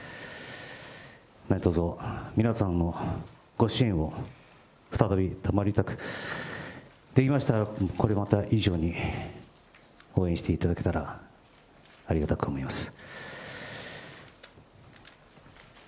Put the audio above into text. なにとぞ皆さんのご支援を再び賜りたく、できましたら、これまで以上に応援していただけたらありがたく思います。